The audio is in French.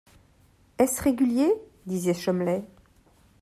Est-ce régulier? disait Cholmley.